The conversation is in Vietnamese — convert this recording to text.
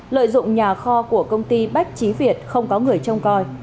lợi dụng nhà kho của công ty bách trí việt không có người trông coi